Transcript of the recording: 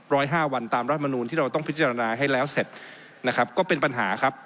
ห้าวันตามรัฐมนูลที่เราต้องพิจารณาให้แล้วเสร็จนะครับก็เป็นปัญหาครับ